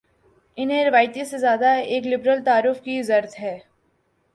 انہیں روایتی سے زیادہ ایک لبرل تعارف کی ضرت ہے۔